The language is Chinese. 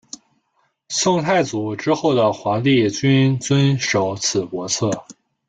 宋太祖之后的皇帝均遵守此国策。